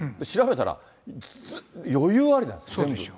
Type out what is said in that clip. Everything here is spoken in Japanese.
調べたら、余裕ありなんですよ。